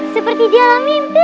seperti di alam mimpi